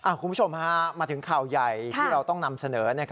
คุณผู้ชมมาถึงข่าวใหญ่ที่เราต้องนำเสนอ